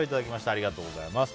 ありがとうございます。